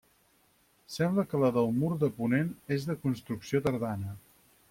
Sembla que la del mur de ponent és de construcció tardana.